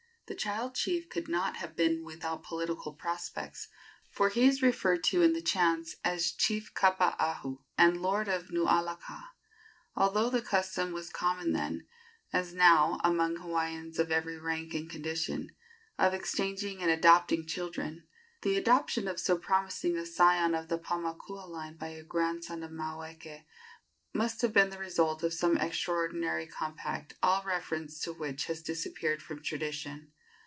The child chief could not have been without political prospects, for he is referred to in the chants as "Chief of Kapaahu and Lord of Nualaka." Although the custom was common then, as now, among Hawaiians of every rank and condition, of exchanging and adopting children, the adoption of so promising a scion of the Paumakua line by a grandson of Maweke must have been the result of some extraordinary compact, all reference to which has disappeared from tradition.